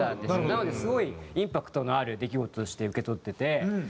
なのですごいインパクトのある出来事として受け取ってて。